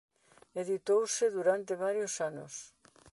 Editouse durante varios anos.